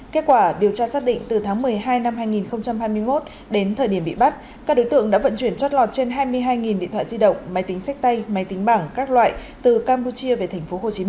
kết quả điều tra xác định từ tháng một mươi hai năm hai nghìn hai mươi một đến thời điểm bị bắt các đối tượng đã vận chuyển chót lọt trên hai mươi hai điện thoại di động máy tính sách tay máy tính bảng các loại từ campuchia về tp hcm